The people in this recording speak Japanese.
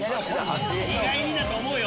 意外にだと思うよ。